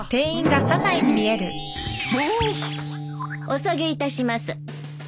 お下げいたします。